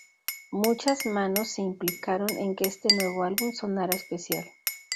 Muchas manos se implicaron en que este nuevo álbum sonara especial.